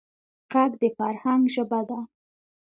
غږ د فرهنګ ژبه ده